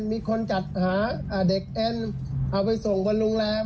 มีคนจัดหาเด็กเอ็นเอาไปส่งบนโรงแรม